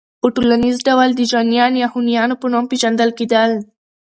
په ټوليز ډول د ژيان يا هونيانو په نوم پېژندل کېدل